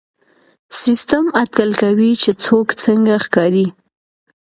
سیسټم اټکل کوي چې څوک څنګه ښکاري.